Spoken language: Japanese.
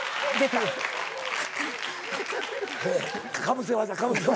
かぶせ技かぶせ技。